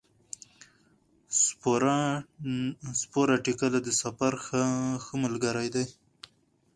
سپوره ټکله د سفر ښه ملګری دی.